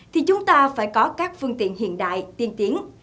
thì chúng ta phải có các phương tiện hiện đại tiên tiến